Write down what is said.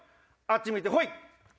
あっち向いてホイ！